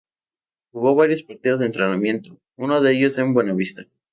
Jugó varios partidos de entrenamiento, uno de ellos en Buenavista.